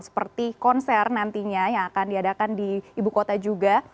seperti konser nantinya yang akan diadakan di ibu kota juga